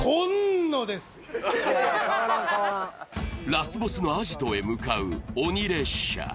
ラスボスのアジトへ向かう鬼列車